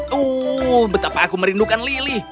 tuh betapa aku merindukan lili